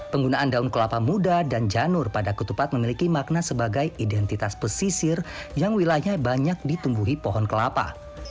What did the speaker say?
penggunaan daun kelapa muda dan janur pada ketupat memiliki makna sebagai identitas pesisir yang wilayahnya banyak ditumbuhi pohon kelapa